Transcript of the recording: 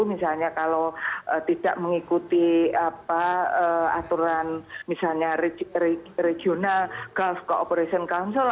misalnya kalau tidak mengikuti aturan misalnya regional gulf cooperation council